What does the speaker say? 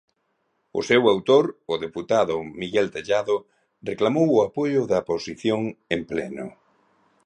O seu autor, o deputado Miguel Tellado, reclamou o apoio da oposición en pleno.